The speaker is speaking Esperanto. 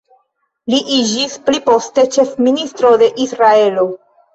Li iĝis pli poste ĉefministro de Israelo.